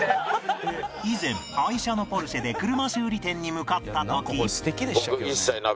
以前愛車のポルシェで車修理店に向かった時